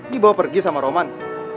dibawa pergi sama roman